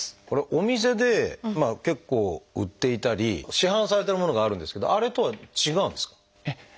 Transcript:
これはお店で結構売っていたり市販されてるものがあるんですけどあれとは違うんですか？